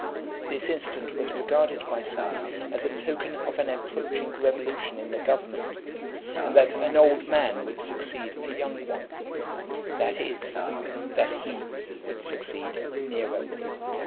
This incident was regarded by some as a token of an approaching revolution in the government, and that an old man would succeed a young one: that is, that he would succeed Nero.